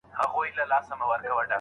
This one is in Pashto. - خیرمحمد لیان، شاعر.